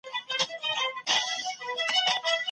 آیا د حيا له امله علم پاتې کيدلای سي؟